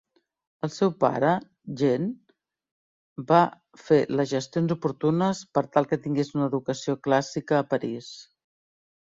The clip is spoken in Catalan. El seu pare, Jean, va fer les gestions oportunes per tal que tingués una educació clàssica a París.